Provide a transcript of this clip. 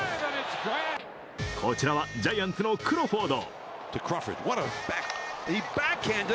こちらはジャイアンツのクロフォード。